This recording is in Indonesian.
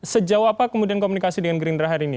sejauh apa kemudian komunikasi dengan gerindra hari ini